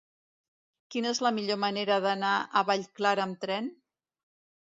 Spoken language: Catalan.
Quina és la millor manera d'anar a Vallclara amb tren?